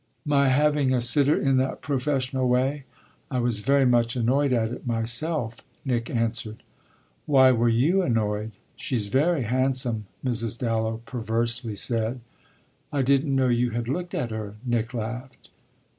"My having a sitter in that professional way? I was very much annoyed at it myself," Nick answered. "Why were you annoyed? She's very handsome," Mrs. Dallow perversely said. "I didn't know you had looked at her!" Nick laughed.